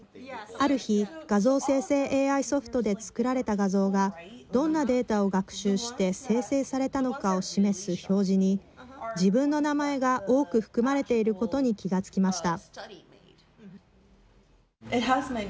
ある日、画像生成ＡＩソフトで作られた画像がどんなデータを学習して生成されたのかを示す表示に、自分の名前が多く含まれていることに気が付きました。